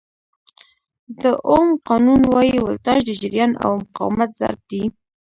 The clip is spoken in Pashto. د اوم قانون وایي ولټاژ د جریان او مقاومت ضرب دی.